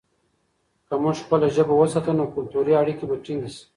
که موږ خپله ژبه وساتو، نو کلتوري اړیکې به ټینګې شي.